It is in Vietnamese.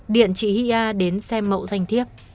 điện chị hia đến xem mẫu danh thiếp